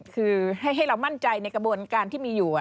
คือให้เรามั่นใจในกระบวนการที่มีอยู่